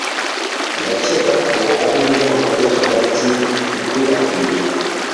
Ndakeka ko ari imyaka yo hagati ikwirakwira.